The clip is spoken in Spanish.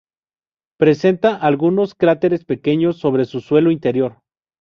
Presenta algunos cráteres pequeños sobre su suelo interior.